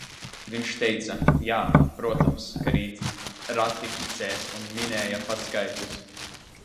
Viņš teica: jā, protams, ka rīt ratificēs, un minēja pat skaitļus.